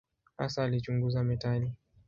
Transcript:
Hasa alichunguza metali.